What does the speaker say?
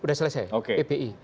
udah selesai pbi